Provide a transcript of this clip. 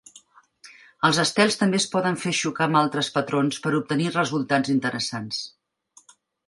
Els estels també es poden fer xocar amb altres patrons per obtenir resultats interessants.